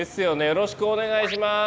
よろしくお願いします。